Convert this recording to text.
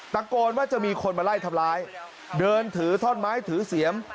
ตะโกนว่าจะมีคนมาไล่ทำร้ายเดินถือท่อนไม้ถือเสียม